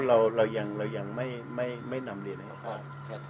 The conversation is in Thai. เรายังไม่นำเรียนให้ทราบ